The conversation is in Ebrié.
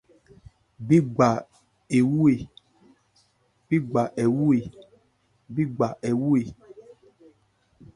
Bí gba ɛ wu ɛ ?